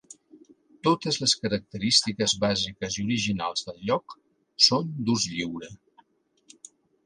Totes les característiques bàsiques i originals del lloc són d'ús lliure.